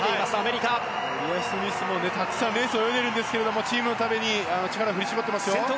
リア・スミスもたくさんレースを泳いでいるんですがチームのために力を振り絞ってますよ。